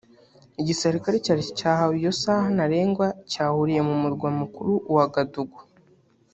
Igisirikare cya Leta cyahawe iyo saha ntarengwa cyahuriye mu murwa mukuru Ouagadougou